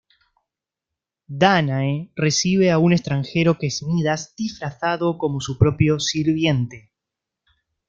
Dánae recibe a un extranjero que es Midas disfrazado como su propio sirviente.